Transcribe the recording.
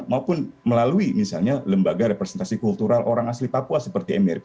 maupun melalui misalnya lembaga representasi kultural orang asli papua seperti mrp